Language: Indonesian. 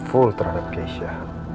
penuh terhadap kesha